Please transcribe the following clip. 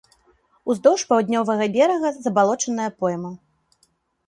Уздоўж паўднёвага берага забалочаная пойма.